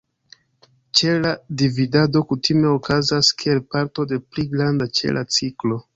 Ĉela dividado kutime okazas kiel parto de pli granda ĉela ciklo.